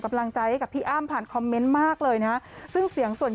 กำลังใจให้กับพี่อ้ำผ่านคอมเมนต์มากเลยนะซึ่งเสียงส่วน